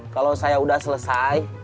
kalau saya udah selesai